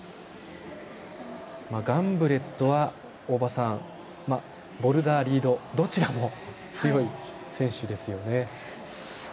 ガンブレットはボルダー、リードどちらも強い選手ですよね。